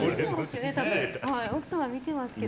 奥様、見てますけど。